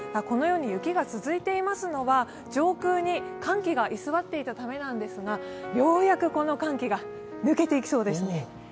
このように雪が続いていますのは、上空に寒気が居座っていたためなんですが、ようやくこの寒気が抜けていきそうですね。